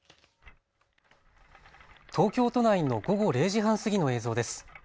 東京都内の午後０時半過ぎの映像です。